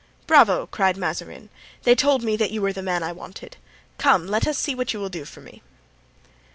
"Bravo!" cried Mazarin; "they told me that you were the man I wanted. Come, let us see what you will do for me."